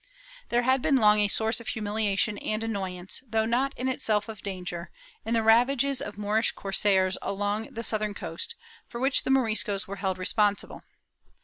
There had long been a source of humiliation and annoyance, though not in itself of danger, in the ravages of Moorish corsairs along the southern coast, for which the Moriscos were held respon sible.